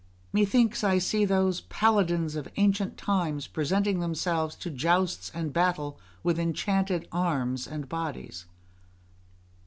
Methinks I see those paladins of ancient times presenting themselves to jousts and battle with enchanted arms and bodies.